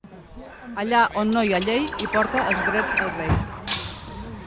Allà on no hi ha llei, hi porta els drets el rei.